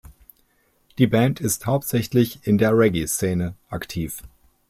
Die Band ist hauptsächlich in der Reggae-Szene aktiv.